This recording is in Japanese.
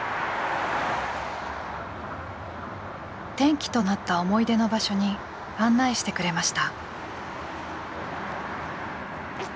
転機となった思い出の場所に案内してくれました。